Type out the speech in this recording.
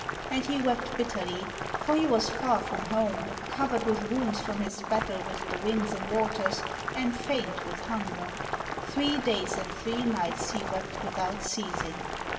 And he wept bitterly, for he was far from home, covered with wounds from his battle with the winds and waters, and faint with hunger: three days and three nights he wept without ceasing.